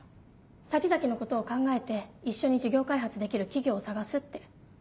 先々のことを考えて一緒に事業開発できる企業を探すって。